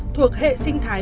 thuộc hệ sinh thái